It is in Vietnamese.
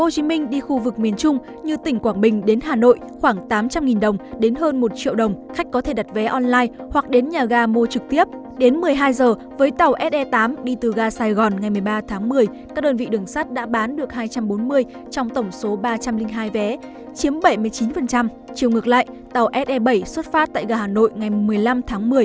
chiều ngược lại tàu se bảy xuất phát tại gà hà nội ngày một mươi năm tháng một mươi